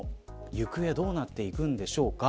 行方はどうなっていくんでしょうか。